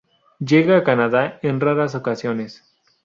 Llega a Canadá en raras ocasiones.